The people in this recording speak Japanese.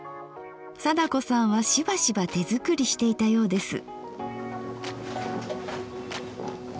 貞子さんはしばしば手作りしていたようです。